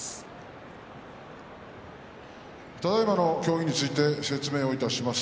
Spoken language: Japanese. ただいまの協議について説明をいたします。